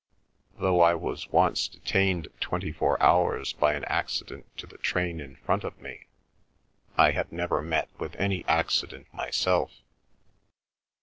Though I was once detained twenty four hours by an accident to the train in front of me, I have never met with any accident myself.